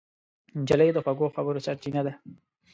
نجلۍ د خوږو خبرو سرچینه ده.